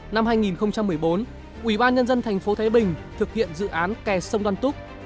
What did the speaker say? năm hai nghìn một mươi bốn ủy ban nhân dân thành phố thái bình thực hiện dự án kè sông đoan túc